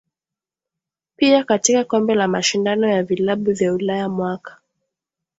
Pia katika kombe la mashindano ya vilabu vya Ulaya mwaka